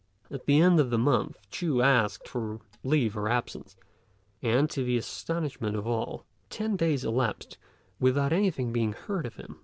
At the end of the month Ch'u asked for leave of absence, and, to the astonishment of all, ten days elapsed without anything being heard of him.